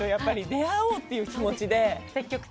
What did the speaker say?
出会おうっていう気持ちで。